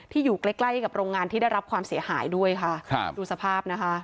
อยู่ใกล้ใกล้กับโรงงานที่ได้รับความเสียหายด้วยค่ะครับดูสภาพนะคะ